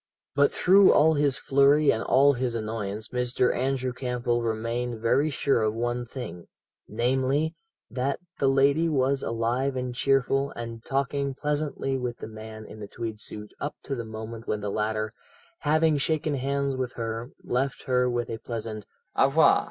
"But through all his flurry and all his annoyance Mr. Andrew Campbell remained very sure of one thing; namely, that the lady was alive and cheerful, and talking pleasantly with the man in the tweed suit up to the moment when the latter, having shaken hands with her, left her with a pleasant 'Au revoir!